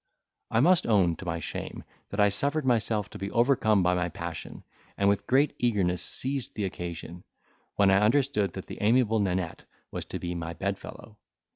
I must own to my shame, that I suffered myself to be overcome by my passion, and with great eagerness seized the occasion, when I understood that the amiable Nanette was to be my bedfellow.